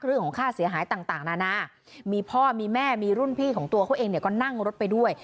เรื่องของค่าเสียหายต่างนานามีพ่อมีแม่มีรุ่นพี่ของตัวเขาเองเนี่ยก็นั่งรถไปด้วย